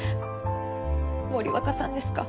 森若さんですか？